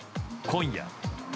今夜。